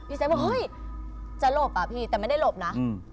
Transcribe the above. พี่ใส่ว่าเฮ้ยจะโหลบอ่ะพี่แต่ไม่ได้โหลบนะ